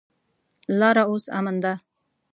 لاره اوس امن ده.